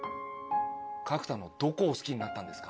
角田のどこを好きになったんですか？